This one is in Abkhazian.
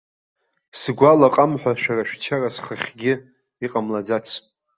Сгәы алаҟам ҳәа шәара шәчара схахьгьы иҟамлаӡац.